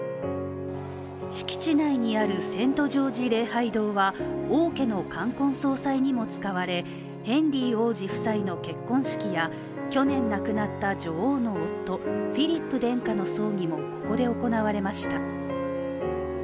敷地内にあるセントジョージ礼拝堂は王家の冠婚葬祭にも使われヘンリー王子負債の結婚式や去年亡くなった女王の夫フィリップ殿下の葬儀もここで行われました。